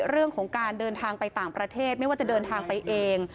เรื่องของการเดินทางไปต่างประเทศไม่ว่าจะเดินทางไปเอง